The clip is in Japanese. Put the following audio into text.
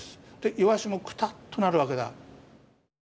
いわしもクタッとなるわけだ。